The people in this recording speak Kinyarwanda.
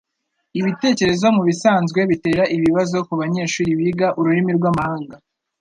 Ibitekerezo mubisanzwe bitera ibibazo kubanyeshuri biga ururimi rwamahanga.